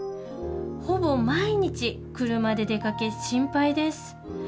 ほぼ毎日車で出かけ心配です。